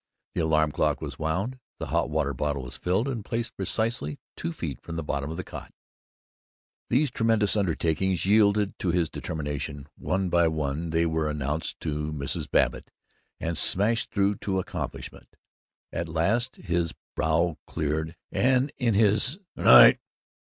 The alarm clock was wound. The hot water bottle was filled and placed precisely two feet from the bottom of the cot. These tremendous undertakings yielded to his determination; one by one they were announced to Mrs. Babbitt and smashed through to accomplishment. At last his brow cleared, and in his "Gnight!"